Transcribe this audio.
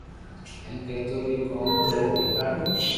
ھين ڪرتا رھيو ڪوم ڪرين ديکاريو